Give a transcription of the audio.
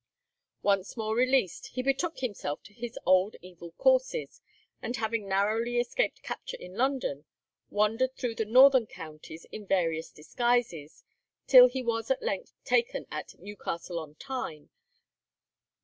Once more released, he betook himself to his old evil courses, and having narrowly escaped capture in London, wandered through the northern counties in various disguises, till he was at length taken at Newcastle on Tyne.